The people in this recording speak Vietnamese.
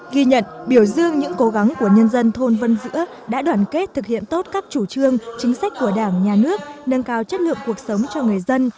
ghi nhận biểu dương những cố gắng của nhân dân thôn vân dữa đã đoàn kết thực hiện tốt các chủ trương chính sách của đảng nhà nước nâng cao chất lượng cuộc sống cho người dân